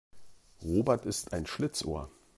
Robert ist ein Schlitzohr.